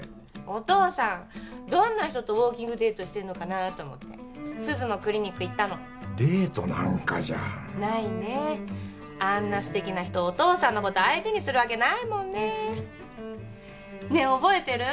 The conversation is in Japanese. お父さんどんな人とウォーキングデートしてんのかなと思って鈴のクリニック行ったのデートなんかじゃないねあんな素敵な人お父さんのこと相手にするわけないもんねねえ覚えてる？